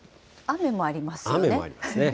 雨もありますね。